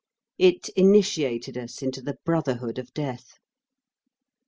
It initiated us into the brotherhood of death.